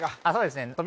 あそうですね